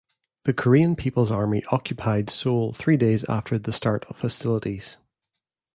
The Korean People's Army occupied Seoul three days after the start of hostilities.